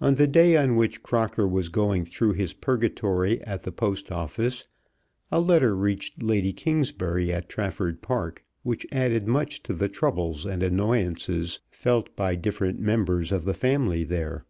On the day on which Crocker was going through his purgatory at the Post Office, a letter reached Lady Kingsbury at Trafford Park, which added much to the troubles and annoyances felt by different members of the family there.